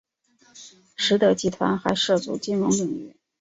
实德集团还涉足金融领域。